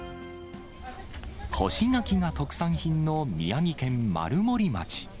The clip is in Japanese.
干し柿が特産品の宮城県丸森町。